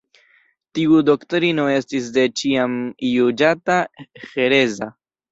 Tiu doktrino estis de ĉiam juĝata hereza.